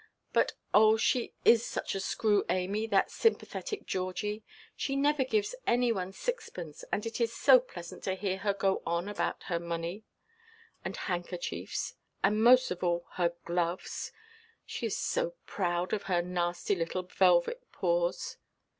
But oh, she is such a screw, Amy, that sympathetic Georgie! She never gives any one sixpence; and it is so pleasant to hear her go on about her money, and handkerchiefs, and, most of all, her gloves. She is so proud of her nasty little velvet paws.